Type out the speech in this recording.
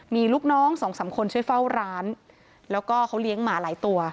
มีลูกน้องสองสามคนช่วยเฝ้าร้านแล้วก็เขาเลี้ยงหมาหลายตัว